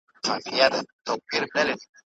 ژوند باید د ښو کړنو مطابق تیر سي.